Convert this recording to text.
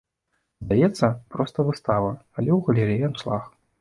Здаецца, проста выстава, але ў галерэі аншлаг.